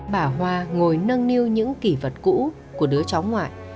bà hoa ngồi nâng niu những kỷ vật cũ của đứa cháu ngoại